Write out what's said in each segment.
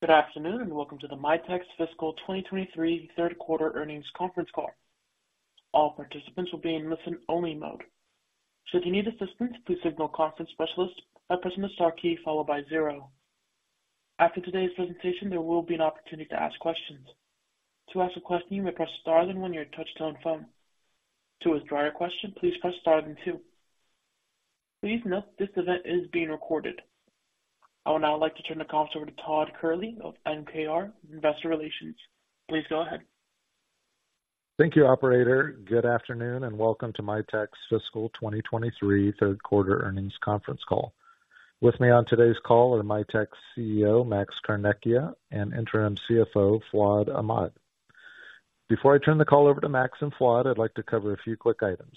Good afternoon, and welcome to the Mitek Systems' Fiscal 2023 Third Quarter Earnings Conference Call. All participants will be in listen-only mode. If you need assistance, please signal conference specialist by pressing the star key followed by zero. After today's presentation, there will be an opportunity to ask questions. To ask a question, you may press star then one on your touchtone phone. To withdraw your question, please press star then two. Please note this event is being recorded. I would now like to turn the conference over to Todd Kehrli of MKR Group. Please go ahead. Thank you, operator. Good afternoon, and welcome to Mitek's Fiscal 2023 Third Quarter Earnings Conference Call. With me on today's call are Mitek's CEO, Max Carnecchia, and Interim CFO, Fuad Ahmad. Before I turn the call over to Max and Fuad, I'd like to cover a few quick items.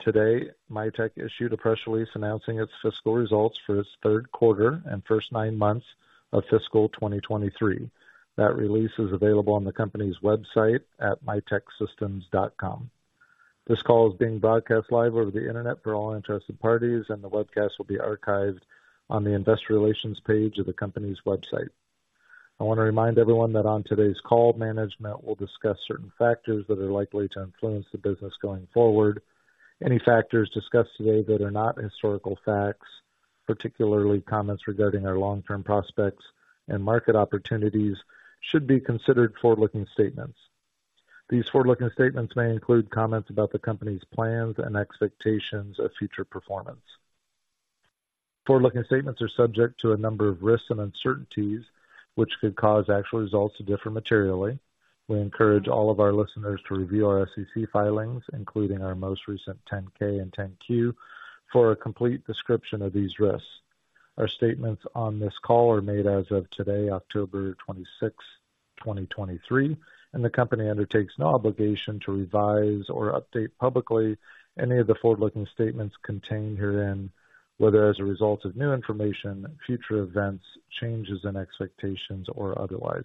Today, Mitek issued a press release announcing its fiscal results for its third quarter and first nine months of fiscal 2023. That release is available on the company's website at miteksystems.com. This call is being broadcast live over the Internet for all interested parties, and the webcast will be archived on the Investor Relations page of the company's website. I want to remind everyone that on today's call, management will discuss certain factors that are likely to influence the business going forward. Any factors discussed today that are not historical facts, particularly comments regarding our long-term prospects and market opportunities, should be considered forward-looking statements. These forward-looking statements may include comments about the company's plans and expectations of future performance. Forward-looking statements are subject to a number of risks and uncertainties, which could cause actual results to differ materially. We encourage all of our listeners to review our SEC filings, including our most recent 10-K and 10-Q, for a complete description of these risks. Our statements on this call are made as of today, October 26th, 2023, and the company undertakes no obligation to revise or update publicly any of the forward-looking statements contained herein, whether as a result of new information, future events, changes in expectations, or otherwise.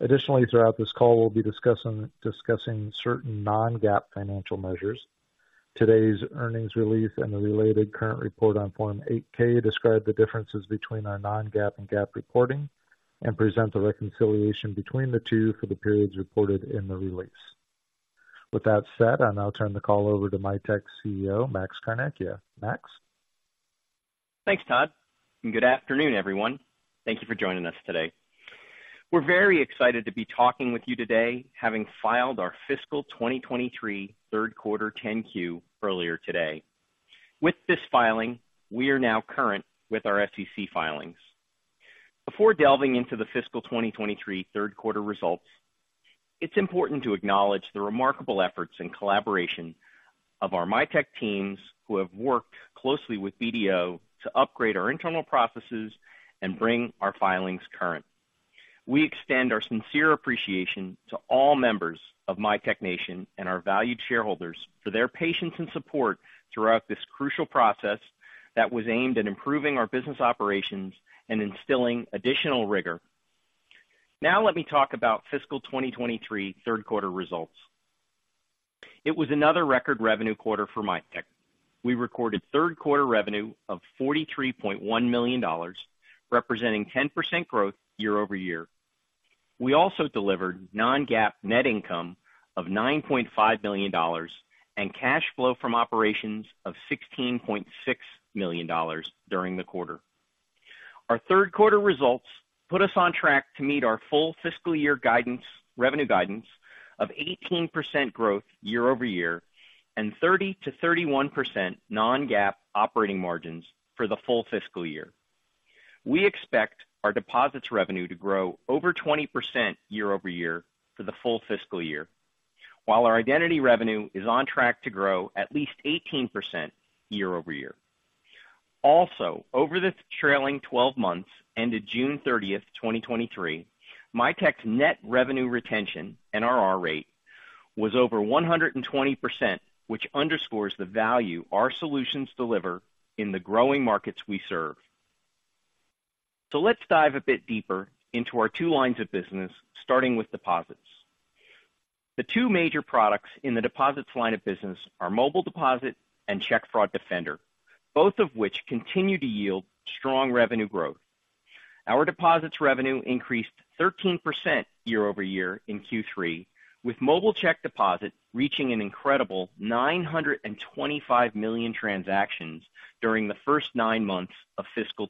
Additionally, throughout this call, we'll be discussing certain non-GAAP financial measures. Today's earnings release and the related current report on Form 8-K describe the differences between our non-GAAP and GAAP reporting and present a reconciliation between the two for the periods reported in the release. With that said, I'll now turn the call over to Mitek's CEO, Max Carnecchia. Max? Thanks, Todd, and good afternoon, everyone. Thank you for joining us today. We're very excited to be talking with you today, having filed our fiscal 2023 third quarter 10-Q earlier today. With this filing, we are now current with our SEC filings. Before delving into the fiscal 2023 third quarter results, it's important to acknowledge the remarkable efforts and collaboration of our Mitek teams, who have worked closely with BDO to upgrade our internal processes and bring our filings current. We extend our sincere appreciation to all members of Mitek Nation and our valued shareholders for their patience and support throughout this crucial process that was aimed at improving our business operations and instilling additional rigor. Now let me talk about fiscal 2023 third quarter results. It was another record revenue quarter for Mitek. We recorded third quarter revenue of $43.1 million, representing 10% growth year-over-year. We also delivered non-GAAP net income of $9.5 million and cash flow from operations of $16.6 million during the quarter. Our third quarter results put us on track to meet our full fiscal year guidance, revenue guidance of 18% growth year-over-year and 30%-31% non-GAAP operating margins for the full fiscal year. We expect our deposits revenue to grow over 20% year-over-year for the full fiscal year, while our identity revenue is on track to grow at least 18% year-over-year. Also, over the trailing 12 months, ended June 30, 2023, Mitek's net revenue retention, NRR rate, was over 120%, which underscores the value our solutions deliver in the growing markets we serve. Let's dive a bit deeper into our two lines of business, starting with deposits. The two major products in the deposits line of business are Mobile Deposit and Check Fraud Defender, both of which continue to yield strong revenue growth. Our deposits revenue increased 13% year-over-year in Q3, with mobile check deposit reaching an incredible 925 million transactions during the first nine months of fiscal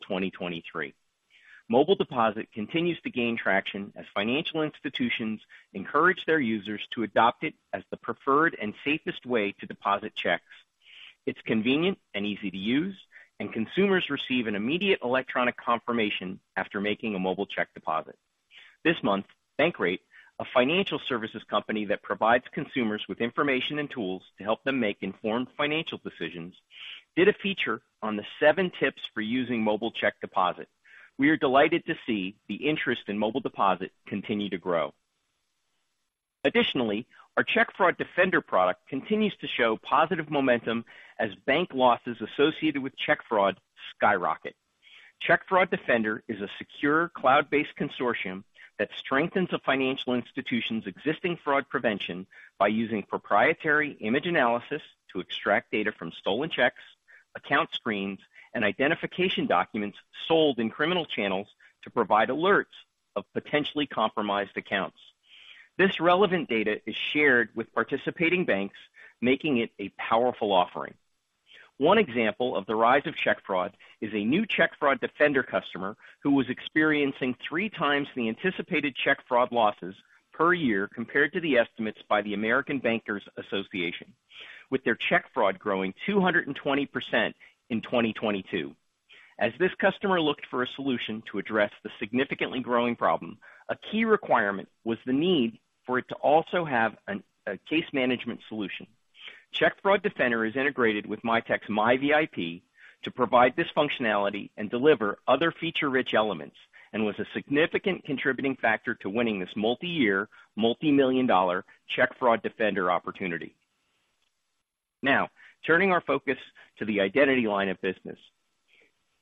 2023. Mobile Deposit continues to gain traction as financial institutions encourage their users to adopt it as the preferred and safest way to deposit checks. It's convenient and easy to use, and consumers receive an immediate electronic confirmation after making a mobile check deposit. This month, Bankrate, a financial services company that provides consumers with information and tools to help them make informed financial decisions, did a feature on the seven tips for using mobile check deposit. We are delighted to see the interest in Mobile Deposit continue to grow. Additionally, our Check Fraud Defender product continues to show positive momentum as bank losses associated with check fraud skyrocket. Check Fraud Defender is a secure, cloud-based consortium that strengthens a financial institution's existing fraud prevention by using proprietary image analysis to extract data from stolen checks, account screens, and identification documents sold in criminal channels to provide alerts of potentially compromised accounts. This relevant data is shared with participating banks, making it a powerful offering. One example of the rise of check fraud is a new Check Fraud Defender customer who was experiencing three times the anticipated check fraud losses per year compared to the estimates by the American Bankers Association, with their check fraud growing 220% in 2022. As this customer looked for a solution to address the significantly growing problem, a key requirement was the need for it to also have a case management solution. Check Fraud Defender is integrated with Mitek's MiVIP to provide this functionality and deliver other feature-rich elements, and was a significant contributing factor to winning this multiyear, multimillion dollar Check Fraud Defender opportunity. Now, turning our focus to the identity line of business.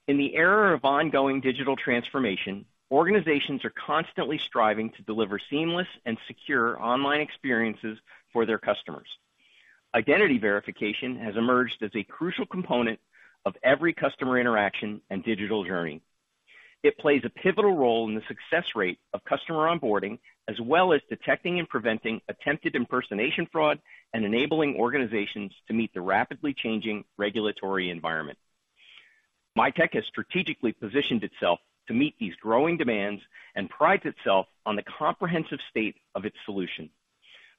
In the era of ongoing digital transformation, organizations are constantly striving to deliver seamless and secure online experiences for their customers. Identity verification has emerged as a crucial component of every customer interaction and digital journey. It plays a pivotal role in the success rate of customer onboarding, as well as detecting and preventing attempted impersonation fraud, and enabling organizations to meet the rapidly changing regulatory environment. Mitek has strategically positioned itself to meet these growing demands and prides itself on the comprehensive state of its solution,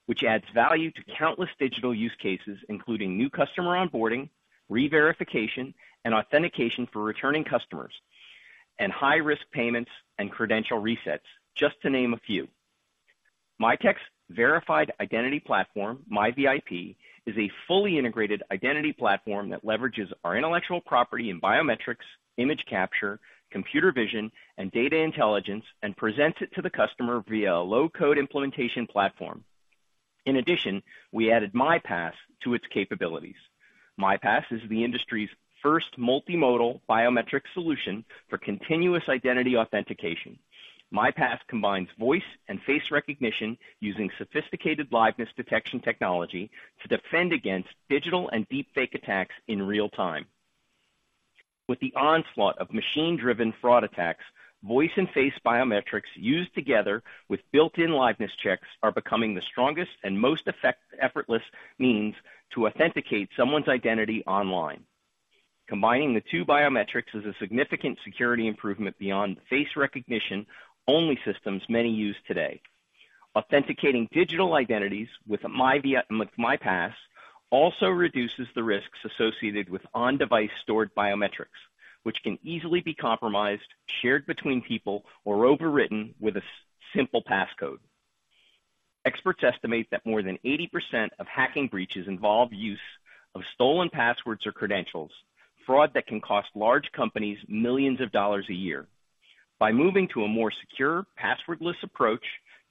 which adds value to countless digital use cases, including new customer onboarding, reverification and authentication for returning customers, and high-risk payments and credential resets, just to name a few. Mitek's verified identity platform, MiVIP, is a fully integrated identity platform that leverages our intellectual property in biometrics, image capture, computer vision, and data intelligence, and presents it to the customer via a low-code implementation platform. In addition, we added MiPass to its capabilities. MiPass is the industry's first multimodal biometric solution for continuous identity authentication. MiPass combines voice and face recognition using sophisticated liveness detection technology to defend against digital and deepfake attacks in real time. With the onslaught of machine-driven fraud attacks, voice and face biometrics, used together with built-in liveness checks, are becoming the strongest and most effortless means to authenticate someone's identity online. Combining the two biometrics is a significant security improvement beyond face recognition-only systems many use today. Authenticating digital identities with MiPass also reduces the risks associated with on-device stored biometrics, which can easily be compromised, shared between people, or overwritten with a simple passcode. Experts estimate that more than 80% of hacking breaches involve use of stolen passwords or credentials, fraud that can cost large companies millions of dollars a year. By moving to a more secure, passwordless approach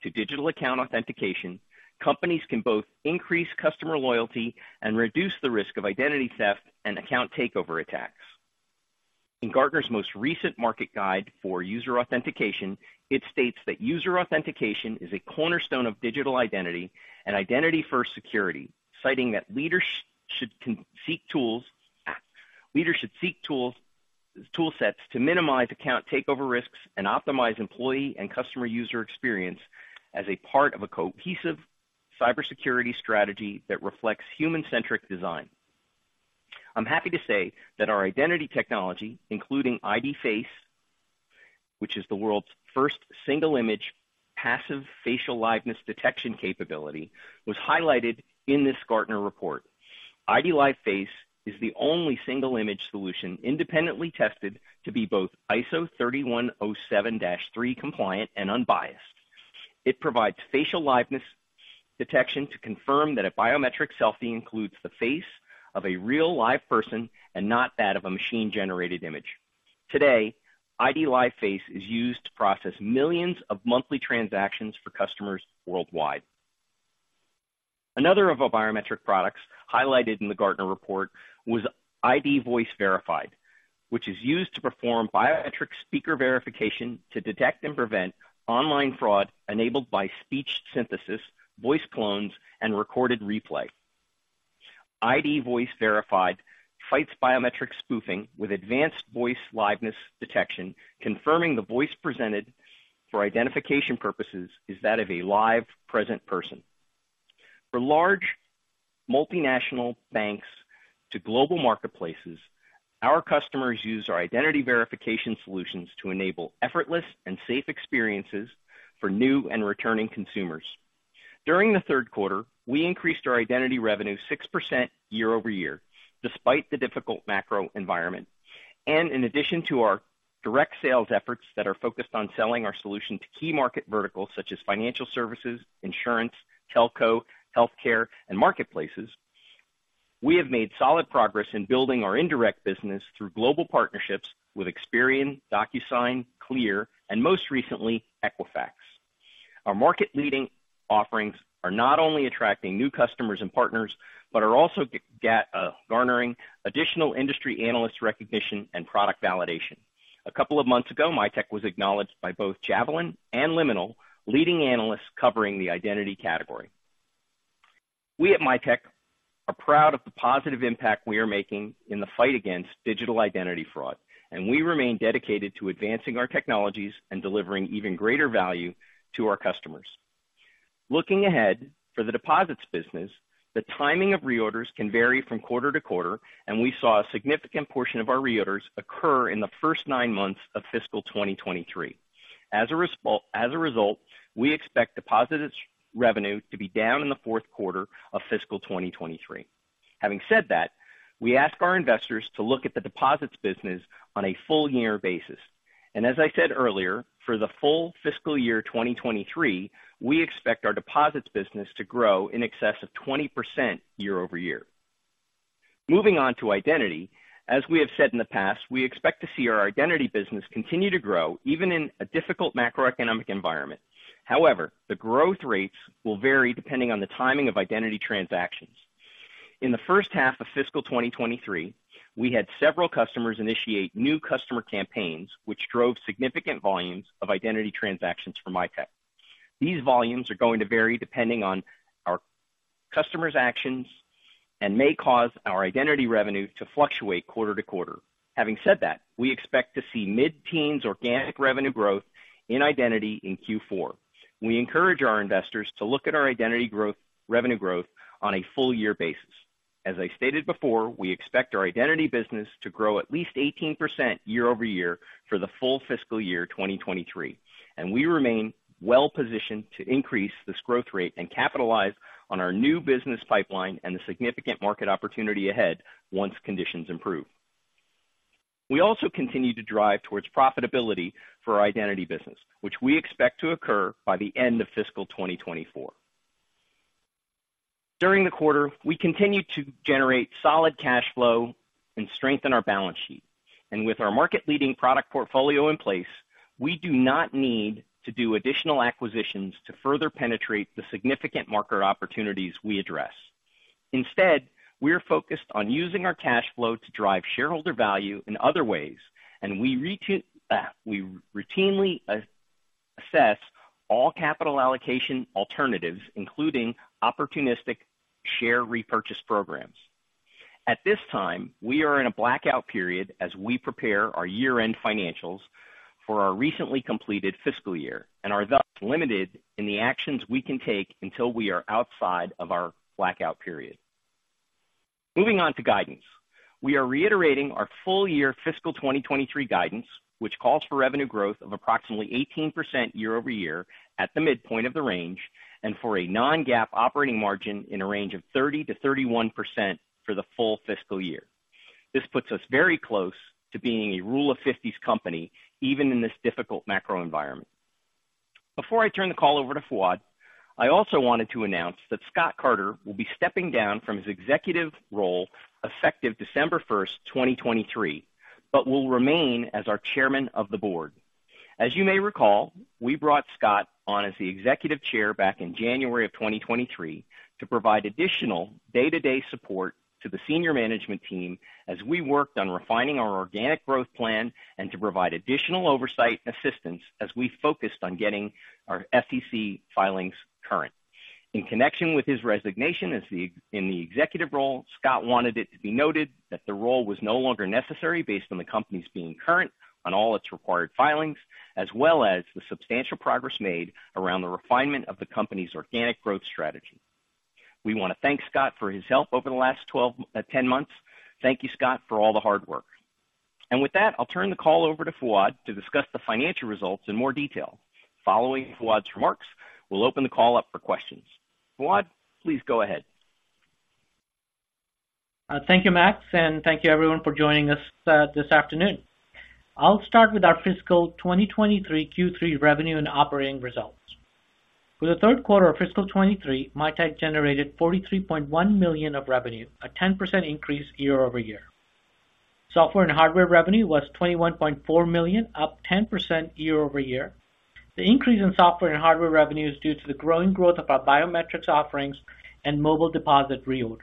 to digital account authentication, companies can both increase customer loyalty and reduce the risk of identity theft and account takeover attacks. In Gartner's most recent market guide for user authentication, it states that user authentication is a cornerstone of digital identity and identity-first security, citing that leaders should seek tools, tool sets to minimize account takeover risks and optimize employee and customer user experience as a part of a cohesive cybersecurity strategy that reflects human-centric design. I'm happy to say that our identity technology, including IDLive Face, which is the world's first single-image, passive facial liveness detection capability, was highlighted in this Gartner report. IDLive Face is the only single-image solution independently tested to be both ISO 30107-3 compliant and unbiased. It provides facial liveness detection to confirm that a biometric selfie includes the face of a real, live person and not that of a machine-generated image. Today, IDLive Face is used to process millions of monthly transactions for customers worldwide. Another of our biometric products highlighted in the Gartner report was IDVoice Verified, which is used to perform biometric speaker verification to detect and prevent online fraud enabled by speech synthesis, voice clones, and recorded replay. IDVoice Verified fights biometric spoofing with advanced voice liveness detection, confirming the voice presented for identification purposes is that of a live, present person. For large multinational banks to global marketplaces, our customers use our identity verification solutions to enable effortless and safe experiences for new and returning consumers. During the third quarter, we increased our identity revenue 6% year-over-year, despite the difficult macro environment. In addition to our direct sales efforts that are focused on selling our solution to key market verticals such as financial services, insurance, telco, healthcare, and marketplaces, we have made solid progress in building our indirect business through global partnerships with Experian, DocuSign, CLEAR, and most recently, Equifax. Our market-leading offerings are not only attracting new customers and partners, but are also garnering additional industry analyst recognition and product validation. A couple of months ago, Mitek was acknowledged by both Javelin and Liminal, leading analysts covering the identity category. We at Mitek are proud of the positive impact we are making in the fight against digital identity fraud, and we remain dedicated to advancing our technologies and delivering even greater value to our customers. Looking ahead, for the deposits business, the timing of reorders can vary from quarter to quarter, and we saw a significant portion of our reorders occur in the first 9 months of fiscal 2023. As a result, we expect deposits revenue to be down in the fourth quarter of fiscal 2023. Having said that, we ask our investors to look at the deposits business on a full year basis. As I said earlier, for the full fiscal year 2023, we expect our deposits business to grow in excess of 20% year-over-year. Moving on to identity. As we have said in the past, we expect to see our identity business continue to grow, even in a difficult macroeconomic environment. However, the growth rates will vary depending on the timing of identity transactions. In the first half of fiscal 2023, we had several customers initiate new customer campaigns, which drove significant volumes of identity transactions for Mitek. These volumes are going to vary depending on our customers' actions and may cause our identity revenue to fluctuate quarter to quarter. Having said that, we expect to see mid-teens organic revenue growth in identity in Q4. We encourage our investors to look at our identity growth- revenue growth on a full year basis. As I stated before, we expect our identity business to grow at least 18% year over year for the full fiscal year 2023, and we remain well positioned to increase this growth rate and capitalize on our new business pipeline and the significant market opportunity ahead once conditions improve. We also continue to drive towards profitability for our identity business, which we expect to occur by the end of fiscal 2024. During the quarter, we continued to generate solid cash flow and strengthen our balance sheet, and with our market-leading product portfolio in place, we do not need to do additional acquisitions to further penetrate the significant market opportunities we address. Instead, we are focused on using our cash flow to drive shareholder value in other ways, and we routinely assess all capital allocation alternatives, including opportunistic share repurchase programs. At this time, we are in a blackout period as we prepare our year-end financials for our recently completed fiscal year and are thus limited in the actions we can take until we are outside of our blackout period. Moving on to guidance. We are reiterating our full year fiscal 2023 guidance, which calls for revenue growth of approximately 18% year over year at the midpoint of the range, and for a non-GAAP operating margin in a range of 30%-31% for the full fiscal year. This puts us very close to being a Rule of Fifties company, even in this difficult macro environment. Before I turn the call over to Fuad, I also wanted to announce that Scott Carter will be stepping down from his executive role effective December 1, 2023, but will remain as our chairman of the board. As you may recall, we brought Scott on as the Executive Chair back in January 2023 to provide additional day-to-day support to the senior management team as we worked on refining our organic growth plan and to provide additional oversight and assistance as we focused on getting our SEC filings current. In connection with his resignation as in the executive role, Scott wanted it to be noted that the role was no longer necessary based on the company's being current on all its required filings, as well as the substantial progress made around the refinement of the company's organic growth strategy. We want to thank Scott for his help over the last 12, 10 months. Thank you, Scott, for all the hard work. With that, I'll turn the call over to Fuad to discuss the financial results in more detail. Following Fuad's remarks, we'll open the call up for questions. Fuad, please go ahead. Thank you, Max, and thank you everyone for joining us, this afternoon. I'll start with our fiscal 2023 Q3 revenue and operating results. For the third quarter of fiscal 2023, Mitek generated $43.1 million of revenue, a 10% increase year-over-year. Software and hardware revenue was $21.4 million, up 10% year-over-year. The increase in software and hardware revenue is due to the growing growth of our biometrics offerings and Mobile Deposit reorder.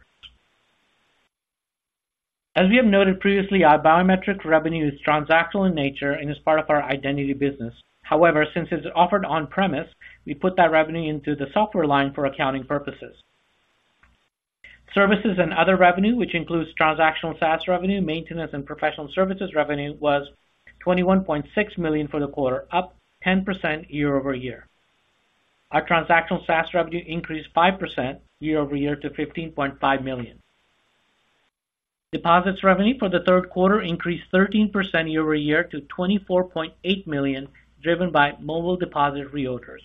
As we have noted previously, our biometric revenue is transactional in nature and is part of our identity business. However, since it's offered on-premise, we put that revenue into the software line for accounting purposes. Services and other revenue, which includes transactional SaaS revenue, maintenance, and professional services revenue, was $21.6 million for the quarter, up 10% year-over-year. Our transactional SaaS revenue increased 5% year-over-year to $15.5 million. Deposits revenue for the third quarter increased 13% year-over-year to $24.8 million, driven by Mobile Deposit reorders.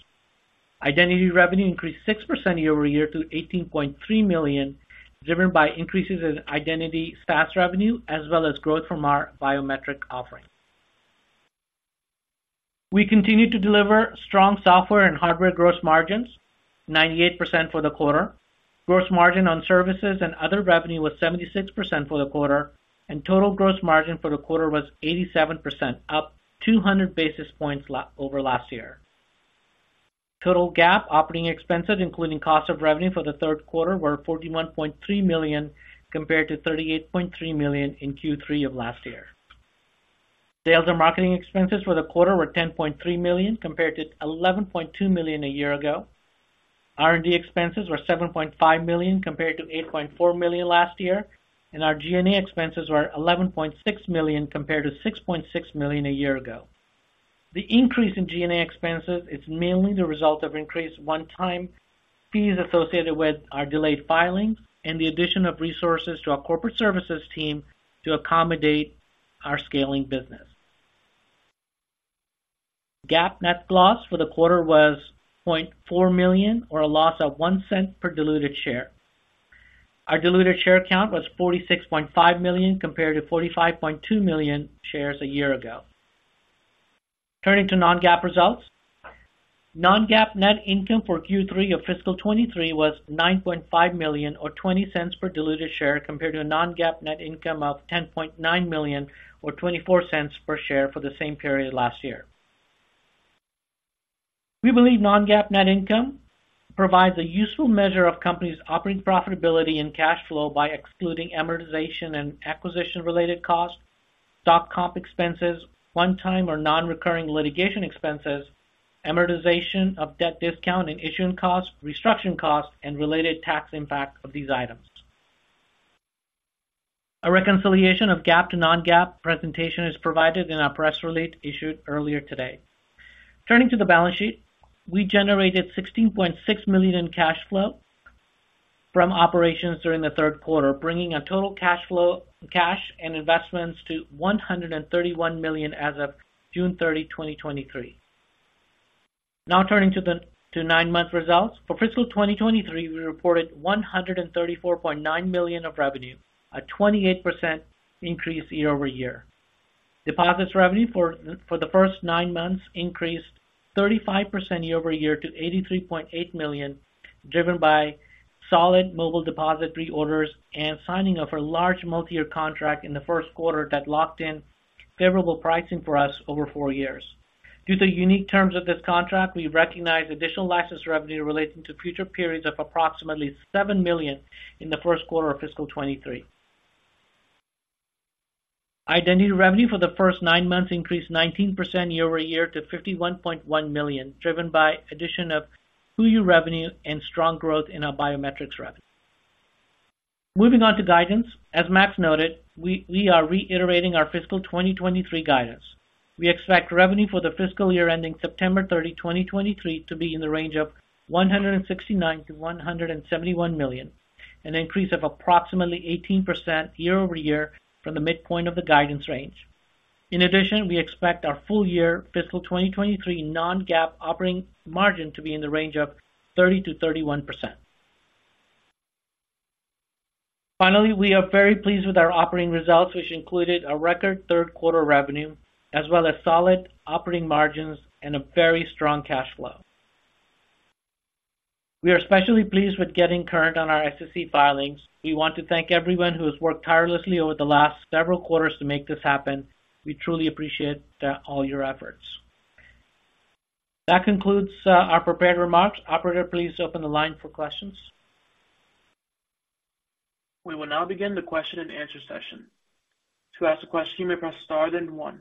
Identity revenue increased 6% year-over-year to $18.3 million, driven by increases in identity SaaS revenue, as well as growth from our biometric offerings. We continued to deliver strong software and hardware gross margins, 98% for the quarter. Gross margin on services and other revenue was 76% for the quarter, and total gross margin for the quarter was 87%, up 200 basis points over last year. Total GAAP operating expenses, including cost of revenue for the third quarter, were $41.3 million, compared to $38.3 million in Q3 of last year.... Sales and marketing expenses for the quarter were $10.3 million, compared to $11.2 million a year ago. R&D expenses were $7.5 million, compared to $8.4 million last year, and our G&A expenses were $11.6 million, compared to $6.6 million a year ago. The increase in G&A expenses is mainly the result of increased one-time fees associated with our delayed filings and the addition of resources to our corporate services team to accommodate our scaling business. GAAP net loss for the quarter was $0.4 million, or a loss of $0.01 per diluted share. Our diluted share count was 46.5 million, compared to 45.2 million shares a year ago. Turning to non-GAAP results. Non-GAAP net income for Q3 of fiscal 2023 was $9.5 million, or $0.20 per diluted share, compared to a non-GAAP net income of $10.9 million, or $0.24 per share for the same period last year. We believe non-GAAP net income provides a useful measure of company's operating profitability and cash flow by excluding amortization and acquisition-related costs, stock comp expenses, one-time or non-recurring litigation expenses, amortization of debt discount and issuing costs, restructuring costs, and related tax impact of these items. A reconciliation of GAAP to non-GAAP presentation is provided in our press release issued earlier today. Turning to the balance sheet. We generated $16.6 million in cash flow from operations during the third quarter, bringing a total cash flow, cash and investments to $131 million as of June 30, 2023. Now turning to the nine-month results. For fiscal 2023, we reported $134.9 million of revenue, a 28% increase year-over-year. Deposits revenue for the first nine months increased 35% year-over-year to $83.8 million, driven by solid Mobile Deposit reorders and signing of a large multi-year contract in the first quarter that locked in favorable pricing for us over four years. Due to the unique terms of this contract, we recognized additional license revenue relating to future periods of approximately $7 million in the first quarter of fiscal 2023. Identity revenue for the first nine months increased 19% year-over-year to $51.1 million, driven by addition of HooYu revenue and strong growth in our biometrics revenue. Moving on to guidance. As Max noted, we are reiterating our fiscal 2023 guidance. We expect revenue for the fiscal year ending September 30, 2023, to be in the range of $169 million-$171 million, an increase of approximately 18% year-over-year from the midpoint of the guidance range. In addition, we expect our full year fiscal 2023 non-GAAP operating margin to be in the range of 30%-31%. Finally, we are very pleased with our operating results, which included a record third quarter revenue, as well as solid operating margins and a very strong cash flow. We are especially pleased with getting current on our SEC filings. We want to thank everyone who has worked tirelessly over the last several quarters to make this happen. We truly appreciate all your efforts. That concludes our prepared remarks. Operator, please open the line for questions. We will now begin the question and answer session. To ask a question, you may press star, then one.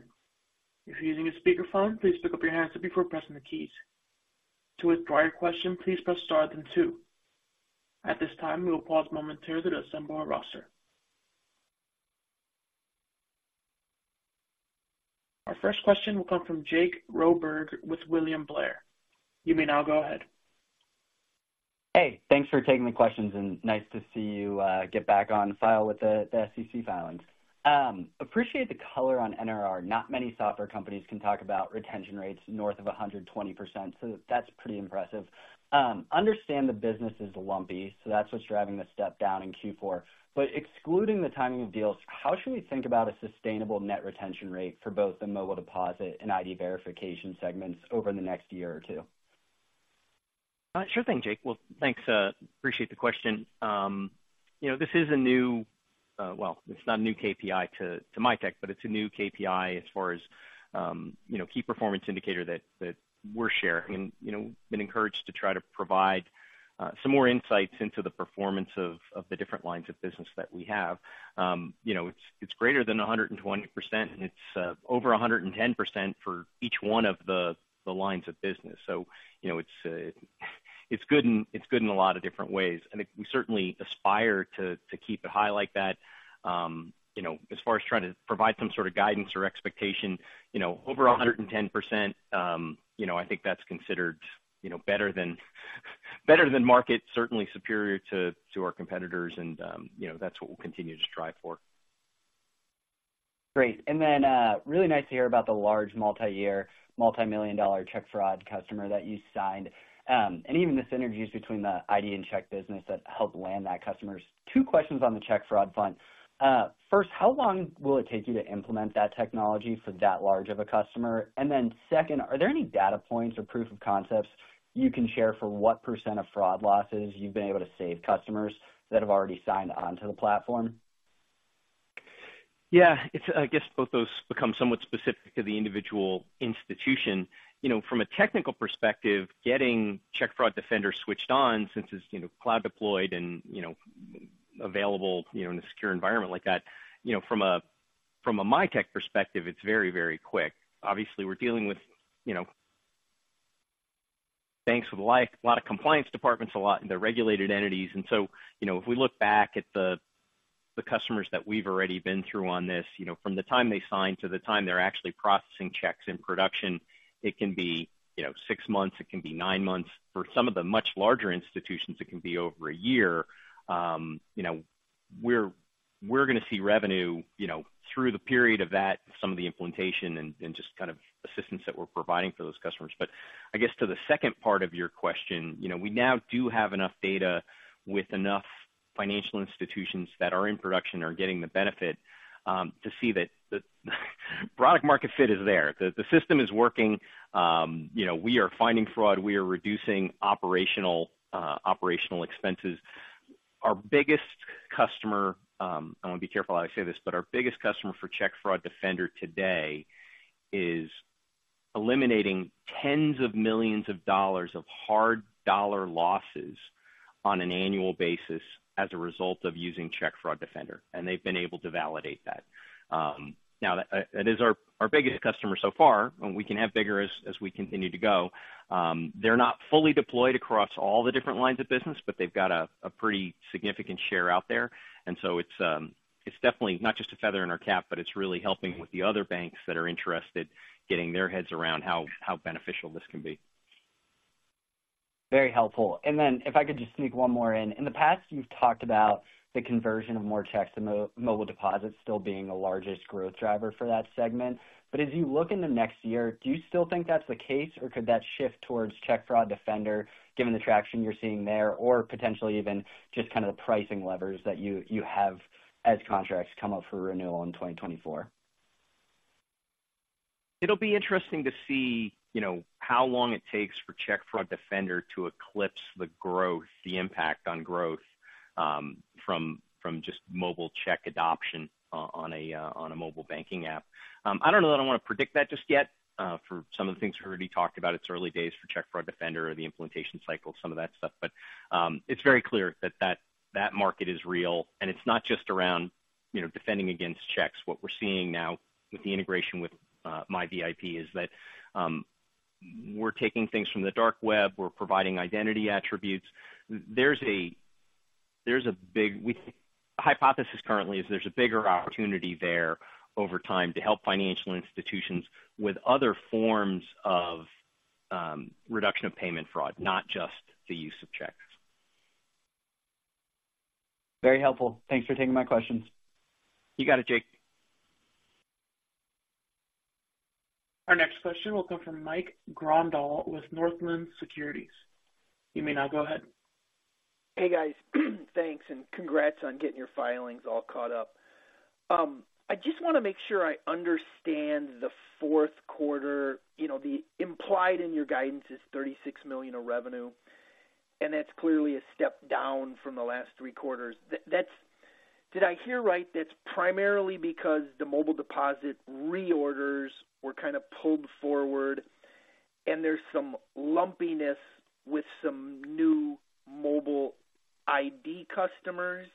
If you're using a speakerphone, please pick up your handset before pressing the keys. To withdraw your question, please press star, then two. At this time, we will pause momentarily to assemble our roster. Our first question will come from Jake Roberge with William Blair. You may now go ahead. Hey, thanks for taking the questions, and nice to see you get back on file with the SEC filings. Appreciate the color on NRR. Not many software companies can talk about retention rates north of 120%, so that's pretty impressive. Understand the business is lumpy, so that's what's driving the step down in Q4. But excluding the timing of deals, how should we think about a sustainable net retention rate for both the Mobile Deposit and ID verification segments over the next year or two? Sure thing, Jake. Well, thanks, appreciate the question. You know, this is a new... Well, it's not a new KPI to Mitek, but it's a new KPI as far as, you know, key performance indicator that we're sharing. You know, we've been encouraged to try to provide some more insights into the performance of the different lines of business that we have. You know, it's greater than 120%, and it's over 110% for each one of the lines of business. You know, it's good in a lot of different ways, and we certainly aspire to keep it high like that. You know, as far as trying to provide some sort of guidance or expectation, you know, over 110%, you know, I think that's considered, you know, better than, better than market, certainly superior to, to our competitors and, you know, that's what we'll continue to strive for. Great. And then, really nice to hear about the large, multi-year, multi-million dollar check fraud customer that you signed, and even the synergies between the ID and check business that helped land that customer. Two questions on the check fraud front. First, how long will it take you to implement that technology for that large of a customer? And then second, are there any data points or proof of concepts you can share for what % of fraud losses you've been able to save customers that have already signed on to the platform? Yeah, it's-- I guess both those become somewhat specific to the individual institution. You know, from a technical perspective, getting Check Fraud Defender switched on since it's, you know, cloud deployed and, you know- Available, you know, in a secure environment like that, you know, from a Mitek perspective, it's very, very quick. Obviously, we're dealing with, you know, banks with like a lot of compliance departments, they're regulated entities. And so, you know, if we look back at the customers that we've already been through on this, you know, from the time they sign to the time they're actually processing checks in production, it can be, you know, six months, it can be nine months. For some of the much larger institutions, it can be over a year. You know, we're gonna see revenue, you know, through the period of that, some of the implementation and just kind of assistance that we're providing for those customers. To the second part of your question, you know, we now do have enough data with enough financial institutions that are in production or getting the benefit, you know, to see that the product market fit is there. The system is working. You know, we are finding fraud. We are reducing operational, operational expenses. Our biggest customer, I want to be careful how I say this, but our biggest customer for Check Fraud Defender today is eliminating tens of millions of dollars of hard dollar losses on an annual basis as a result of using Check Fraud Defender, and they've been able to validate that. Now, that is our biggest customer so far, and we can have bigger as we continue to go. They're not fully deployed across all the different lines of business, but they've got a pretty significant share out there. And so it's definitely not just a feather in our cap, but it's really helping with the other banks that are interested, getting their heads around how beneficial this can be. Very helpful. And then if I could just sneak one more in. In the past, you've talked about the conversion of more checks and Mobile Deposits still being the largest growth driver for that segment. But as you look in the next year, do you still think that's the case, or could that shift towards Check Fraud Defender, given the traction you're seeing there, or potentially even just kind of the pricing levers that you have as contracts come up for renewal in 2024? It'll be interesting to see, you know, how long it takes for Check Fraud Defender to eclipse the impact on growth from just mobile check adoption on a mobile banking app. I don't know that I want to predict that just yet, for some of the things we already talked about. It's early days for Check Fraud Defender or the implementation cycle, some of that stuff. It's very clear that that market is real, and it's not just around, you know, defending against checks. What we're seeing now with the integration with MiVIP is that we're taking things from the dark web. We're providing identity attributes. There's a big... The hypothesis currently is there's a bigger opportunity there over time to help financial institutions with other forms of reduction of payment fraud, not just the use of checks. Very helpful. Thanks for taking my questions. You got it, Jake. Our next question will come from Mike Grondahl with Northland Securities. You may now go ahead. Hey, guys. Thanks, and congrats on getting your filings all caught up. I just want to make sure I understand the fourth quarter. You know, the implied in your guidance is $36 million of revenue, and that's clearly a step down from the last three quarters. That's-did I hear right, that's primarily because the Mobile Deposit reorders were kind of pulled forward and there's some lumpiness with some new mobile ID customers?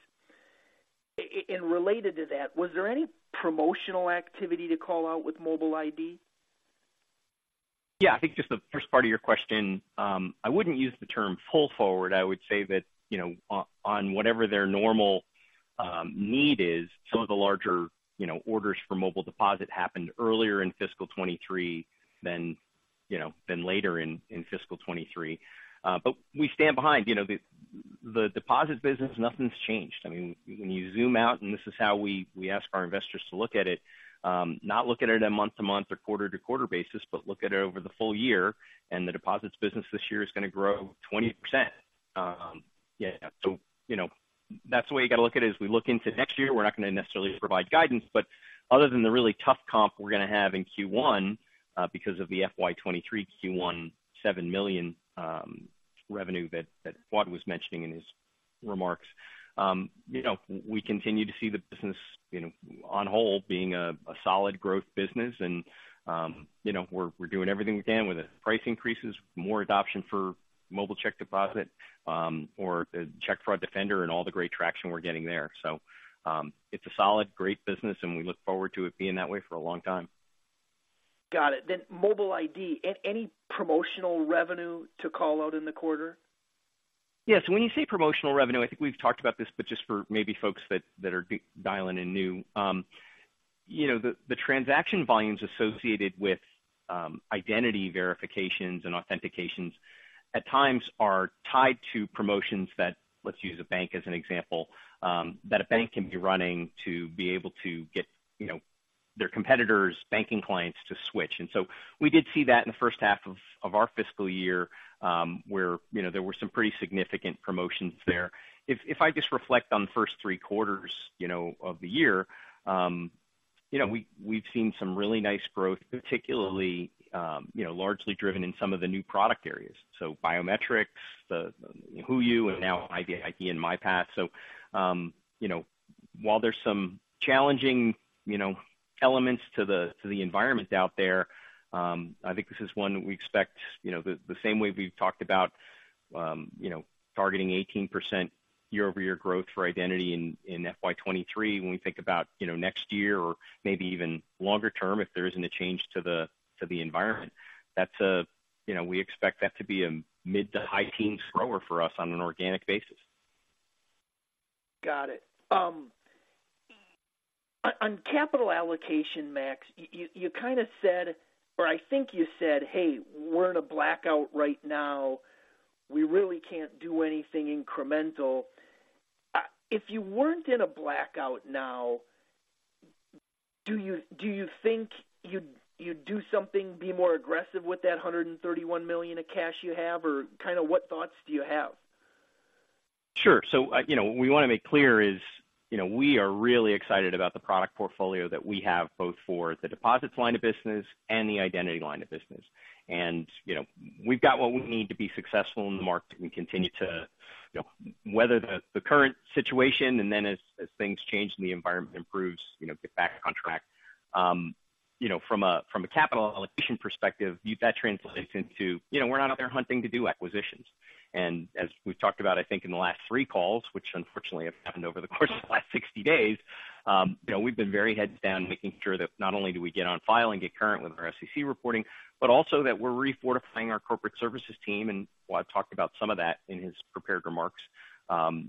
And related to that, was there any promotional activity to call out with mobile ID? Yeah, I think just the first part of your question, I wouldn't use the term pull forward. I would say that, you know, on whatever their normal need is, some of the larger, you know, orders for Mobile Deposit happened earlier in fiscal 2023 than, you know, than later in fiscal 2023. But we stand behind, you know, the Mobile Deposit business, nothing's changed. I mean, when you zoom out, and this is how we ask our investors to look at it, not look at it on a month-to-month or quarter-to-quarter basis, but look at it over the full year, and the Mobile Deposit business this year is going to grow 20%. Yeah, so you know, that's the way you got to look at it. As we look into next year, we're not going to necessarily provide guidance, but other than the really tough comp we're going to have in Q1 because of the FY 2023 Q1 $7 million revenue that Fuad was mentioning in his remarks. You know, we continue to see the business, you know, on hold, being a solid growth business and, you know, we're doing everything we can with the price increases, more adoption for mobile check deposit, or the Check Fraud Defender and all the great traction we're getting there. So, it's a solid, great business, and we look forward to it being that way for a long time. Got it. Then Mobile ID. Any promotional revenue to call out in the quarter? Yes. When you say promotional revenue, I think we've talked about this, but just for maybe folks that are dialing in new. You know, the transaction volumes associated with identity verifications and authentications at times are tied to promotions that, let's use a bank as an example, that a bank can be running to be able to get their competitors' banking clients to switch. And so we did see that in the first half of our fiscal year, where there were some pretty significant promotions there. If I just reflect on the first three quarters of the year, you know, we've seen some really nice growth, particularly, largely driven in some of the new product areas. So biometrics, the HooYu and now IDLive and MiPass. So, you know-... While there's some challenging, you know, elements to the, to the environment out there, I think this is one that we expect, you know, the, the same way we've talked about, you know, targeting 18% year-over-year growth for identity in, in FY 2023. When we think about, you know, next year or maybe even longer term, if there isn't a change to the, to the environment, that's a—you know, we expect that to be a mid to high teens grower for us on an organic basis. Got it. On capital allocation, Max, you kind of said, or I think you said, "Hey, we're in a blackout right now. We really can't do anything incremental." If you weren't in a blackout now, do you think you'd do something, be more aggressive with that $131 million of cash you have? Or kind of what thoughts do you have? Sure. So, you know, what we wanna make clear is, you know, we are really excited about the product portfolio that we have, both for the deposits line of business and the identity line of business. And, you know, we've got what we need to be successful in the market and continue to, you know, weather the current situation, and then as things change and the environment improves, you know, get back on track. You know, from a capital allocation perspective, that translates into, you know, we're not out there hunting to do acquisitions. As we've talked about, I think, in the last three calls, which unfortunately have happened over the course of the last 60 days, you know, we've been very heads down, making sure that not only do we get on file and get current with our SEC reporting, but also that we're refortifying our corporate services team. Well, I've talked about some of that in his prepared remarks.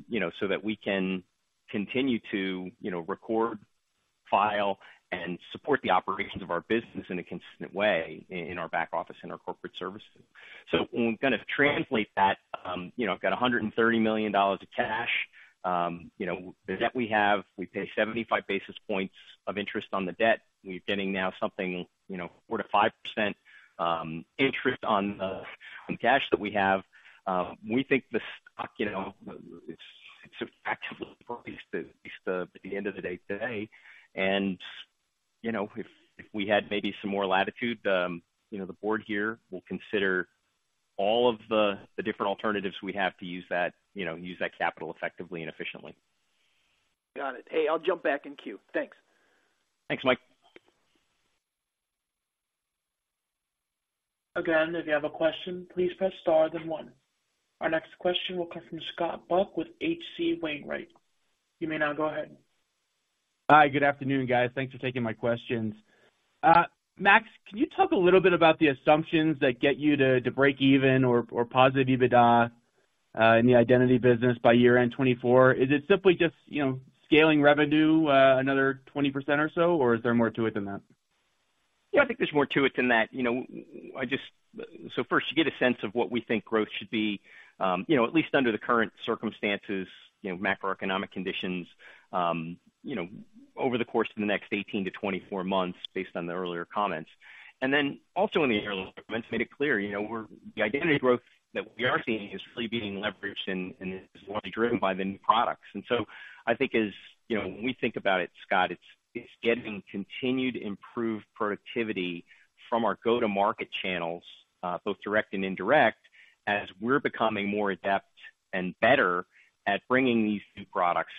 You know, so that we can continue to, you know, record, file, and support the operations of our business in a consistent way in our back office and our corporate services. When we kind of translate that, you know, I've got $130 million of cash. You know, the debt we have, we pay 75 basis points of interest on the debt. We're getting now something, you know, 4%-5% interest on the cash that we have. We think the stock, you know, it's effectively priced at least, at the end of the day today. You know, if we had maybe some more latitude, you know, the board here will consider all of the different alternatives we have to use that, you know, use that capital effectively and efficiently. Got it. Hey, I'll jump back in queue. Thanks. Thanks, Mike. Again, if you have a question, please press star then one. Our next question will come from Scott Buck with H.C. Wainwright. You may now go ahead. Hi, good afternoon, guys. Thanks for taking my questions. Max, can you talk a little bit about the assumptions that get you to break even or positive EBITDA in the identity business by year-end 2024? Is it simply just, you know, scaling revenue another 20% or so, or is there more to it than that? Yeah, I think there's more to it than that. You know, so first, you get a sense of what we think growth should be, you know, at least under the current circumstances, you know, macroeconomic conditions, you know, over the course of the next 18-24 months, based on the earlier comments. And then also in the earlier comments, made it clear, you know, the identity growth that we are seeing is really being leveraged and is largely driven by the new products. And so I think as you know, when we think about it, Scott, it's getting continued improved productivity from our go-to-market channels, both direct and indirect, as we're becoming more adept and better at bringing these new products,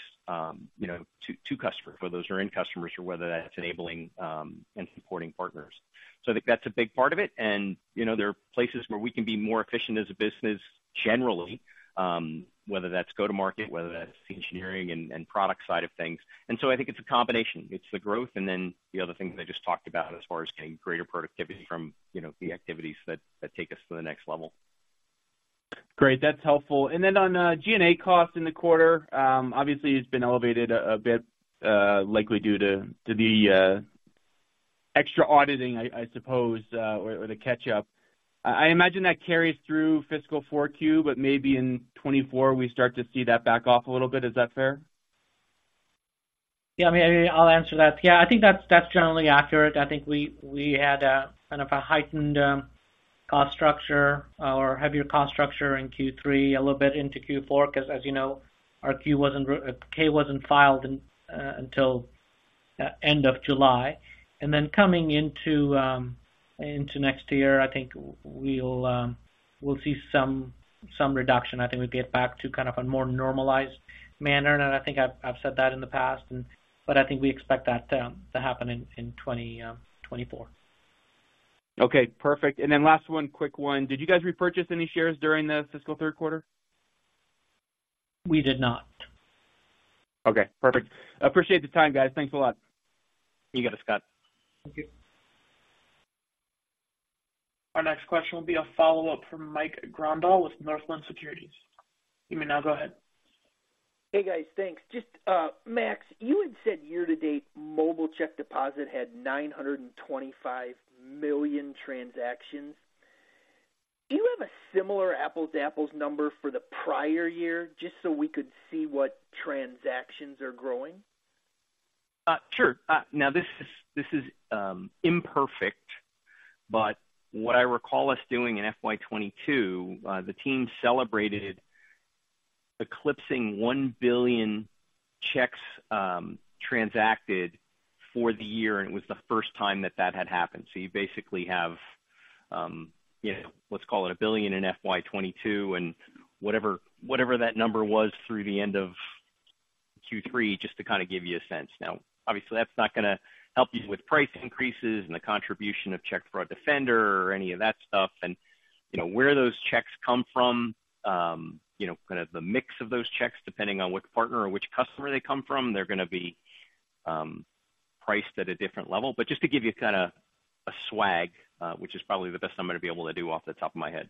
you know, to customers, whether those are in customers or whether that's enabling and supporting partners. So I think that's a big part of it. And, you know, there are places where we can be more efficient as a business generally, whether that's go-to-market, whether that's the engineering and product side of things. And so I think it's a combination. It's the growth, and then the other things I just talked about as far as getting greater productivity from, you know, the activities that take us to the next level. Great. That's helpful. And then on G&A costs in the quarter, obviously it's been elevated a bit, likely due to the extra auditing, I suppose, or the catch-up. I imagine that carries through fiscal 4Q, but maybe in 2024 we start to see that back off a little bit. Is that fair? Yeah, I mean, I'll answer that. Yeah, I think that's generally accurate. I think we had a kind of a heightened, cost structure or heavier cost structure in Q3, a little bit into Q4, 'cause as you know, our Q wasn't re-- K wasn't filed until end of July. Coming into next year, I think we'll see some reduction. I think we'll get back to kind of a more normalized manner, and I think I've said that in the past and... I think we expect that to happen in 2024. Okay, perfect. And then last one, quick one. Did you guys repurchase any shares during the fiscal third quarter? We did not. Okay, perfect. I appreciate the time, guys. Thanks a lot. You got it, Scott. Thank you. Our next question will be a follow-up from Mike Grondahl with Northland Securities. You may now go ahead. Hey, guys, thanks. Just, Max, you had said year to date, Mobile Deposit had 925 million transactions. Do you have a similar apples-to-apples number for the prior year, just so we could see what transactions are growing? Sure. Now, this is imperfect, but what I recall us doing in FY 2022, the team celebrated eclipsing 1 billion checks transacted for the year, and it was the first time that that had happened. So you basically have, let's call it 1 billion in FY 2022, and whatever, whatever that number was through the end of Q3, just to kind of give you a sense. Now, obviously, that's not gonna help you with price increases and the contribution of Check Fraud Defender or any of that stuff. And, you know, where those checks come from, you know, kind of the mix of those checks, depending on which partner or which customer they come from, they're gonna be priced at a different level. Just to give you kinda a swag, which is probably the best I'm gonna be able to do off the top of my head.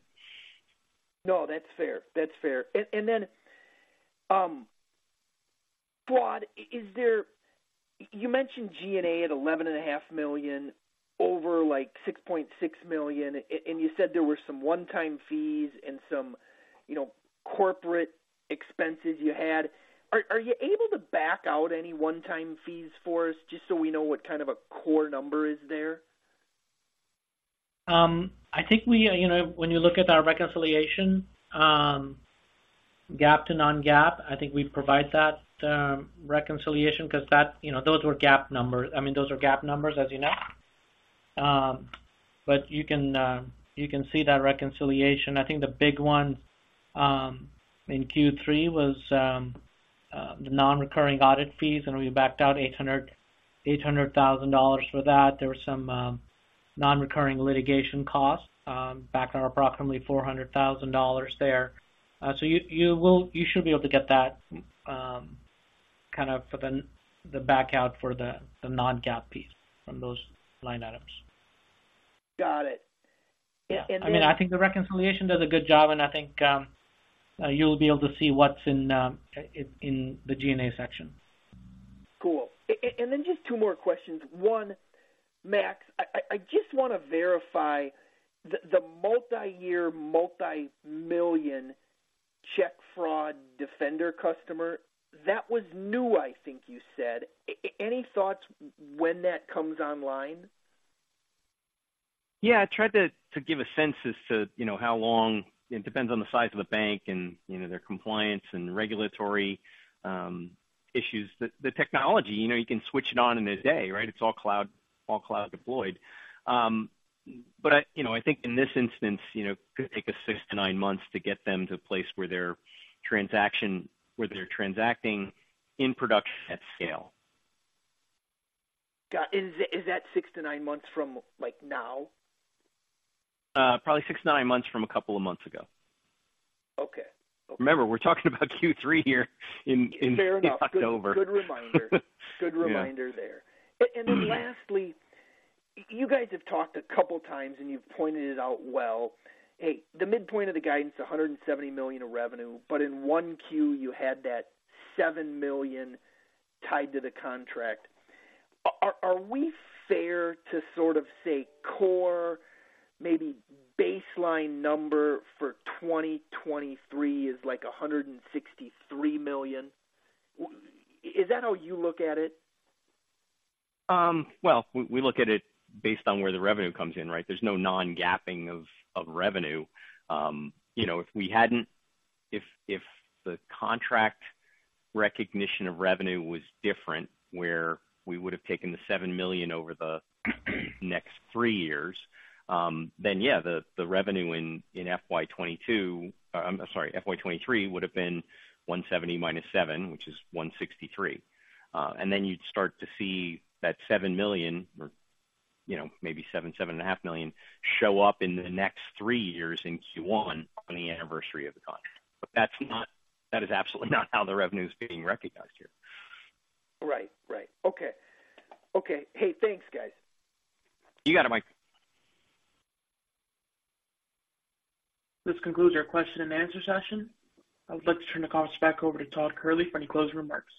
No, that's fair. That's fair. And then, Fuad, is there— You mentioned G&A at $11.5 million over, like, $6.6 million, and you said there were some one-time fees and some, you know, corporate expenses you had. Are you able to back out any one-time fees for us just so we know what kind of a core number is there? I think we, you know, when you look at our reconciliation, GAAP to non-GAAP, I think we provide that reconciliation because that, you know, those were GAAP numbers. I mean, those are GAAP numbers, as you know. I mean, you can see that reconciliation. I think the big one in Q3 was the nonrecurring audit fees, and we backed out $800,000 for that. There were some nonrecurring litigation costs, backed out approximately $400,000 there. You should be able to get that, kind of for the backout for the non-GAAP piece from those line items. Got it. Yeah. I mean, I think the reconciliation does a good job, and I think you'll be able to see what's in the G&A section. Cool. And then just two more questions. One, Max, I just wanna verify the multiyear, multimillion Check Fraud Defender customer, that was new, I think you said. Any thoughts when that comes online? Yeah, I tried to give a sense as to, you know, how long... It depends on the size of the bank and, you know, their compliance and regulatory issues. The technology, you know, you can switch it on in a day, right? It's all cloud, all cloud deployed. But I, you know, I think in this instance, you know, could take us 6-9 months to get them to a place where they're transaction--where they're transacting in production at scale. Got it. Is that 6-9 months from, like, now? Probably 6-9 months from a couple of months ago. Okay. Remember, we're talking about Q3 here in Fair enough. October. Good reminder. Yeah. Good reminder there. And then lastly, you guys have talked a couple times, and you've pointed it out well. Hey, the midpoint of the guidance, $170 million of revenue, but in one Q, you had that $7 million tied to the contract. Are we fair to sort of say core, maybe baseline number for 2023 is like $163 million? Is that how you look at it? Well, we look at it based on where the revenue comes in, right? There's no non-GAAPing of revenue. You know, if we hadn't—if the contract recognition of revenue was different, where we would have taken the $7 million over the next three years, then yeah, the revenue in FY 2022—I'm sorry, FY 2023 would have been $170 million minus $7 million, which is $163 million. You'd start to see that $7 million or, you know, maybe $7 million-$7.5 million show up in the next three years in Q1 on the anniversary of the contract. That is absolutely not how the revenue is being recognized here. Right. Right. Okay. Okay. Hey, thanks, guys. You got it, Mike. This concludes our question and answer session. I would like to turn the call back over to Todd Kehrli for any closing remarks.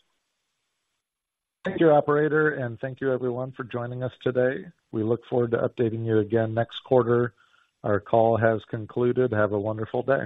Thank you, operator, and thank you everyone for joining us today. We look forward to updating you again next quarter. Our call has concluded. Have a wonderful day.